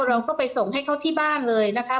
เราก็ไปส่งให้เขาที่บ้านเลยนะคะ